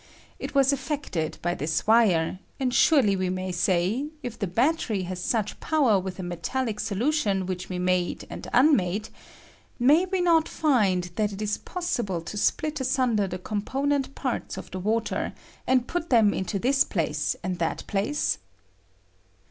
It was effected by this wire ; and surely we may say, if the battery has such power with a me tallic solution which we made and unmade, may we not find that it is possible to split asunder the component parts of the water, and put them into thia place and that place